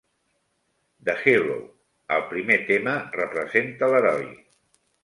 "The Hero": el primer tema representa l'heroi.